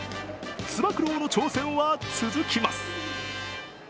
つば九郎の挑戦は続きます。